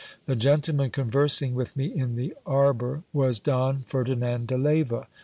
The gen tleman conversing with me in the arbour was Don Ferdinand de Leyva.